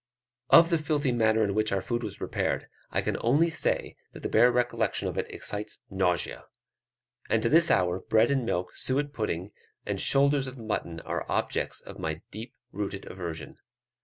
Of the filthy manner in which our food was prepared, I can only say that the bare recollection of it excites nausea; and to this hour, bread and milk, suet pudding, and shoulders of mutton, are objects of my deep rooted aversion.